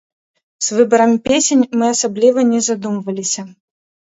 З выбарам песень мы асабліва не задумваліся.